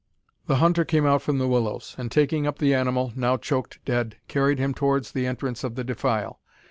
The hunter came out from the willows, and, taking up the animal, now choked dead, carried him towards the entrance of the defile.